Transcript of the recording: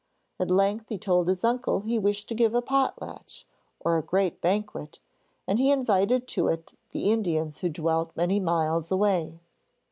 At length he told his uncle he wished to give a pot latch or a great banquet, and he invited to it the Indians who dwelt many miles away.